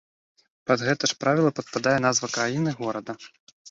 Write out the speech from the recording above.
Пад гэта ж правіла падпадае назва краіны, горада.